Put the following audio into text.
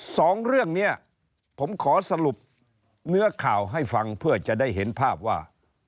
สองเรื่องนี้ผมขอสรุปเนื้อข่าวให้ฟังเพื่อจะได้เห็นภาพว่า